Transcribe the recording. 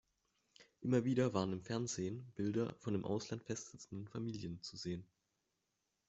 Immer wieder waren im Fernsehen Bilder von im Ausland festsitzenden Familien zu sehen.